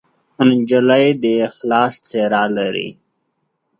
نجلۍ د اخلاص څېره لري.